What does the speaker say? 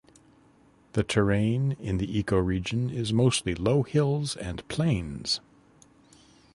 The terrain in the ecoregion is mostly low hills and plains.